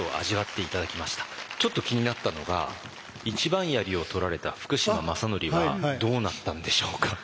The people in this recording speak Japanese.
ちょっと気になったのが一番槍をとられた福島正則はどうなったんでしょうか？